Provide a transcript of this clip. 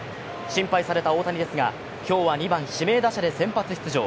心配された大谷ですが、今日は２番・指名打者で先発出場。